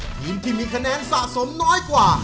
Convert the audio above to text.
ทีมที่มีคะแนนสะสมน้อยกว่า